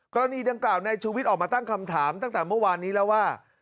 กรณีดังกล่าวนายชูวิทย์ออกมาตั้งคำถามตั้งแต่เมื่อวานนี้แล้วว่า